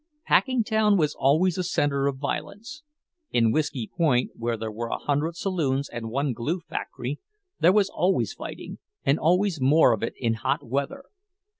Packingtown was always a center of violence; in "Whisky Point," where there were a hundred saloons and one glue factory, there was always fighting, and always more of it in hot weather.